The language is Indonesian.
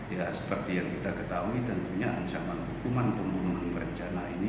ya seperti yang kita ketahui tentunya ancaman hukuman pembunuhan berencana ini